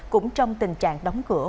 cũng trong tình trạng đóng cửa